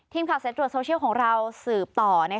ทีมข่าวเซ็ตตรวจโซเชียลของเราสืบต่อ